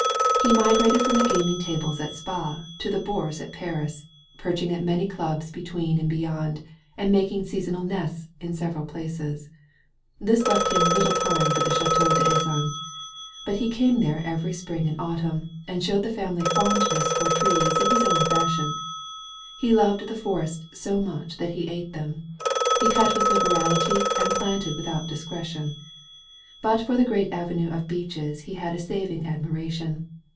He migrated from the gaming tables at Spa to the Bourse at Paris, perching at many clubs between and beyond, and making seasonal nests in several places. This left him little time for the Ch&teau d'Azan. But he came there every spring and autumn, and showed the family fondness for trees in his own fashion. He loved the forests so much that he ate them. He cut with liberality and planted without discretion. But for the great avenue of beeches he had a saving admiration.